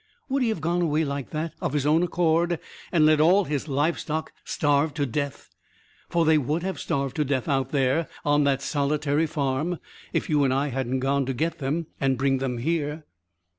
Would he have gone away like that, of his own accord, and let all his livestock starve to death? For they would have starved to death out there on that solitary farm if you and I hadn't gone to get them and bring them here."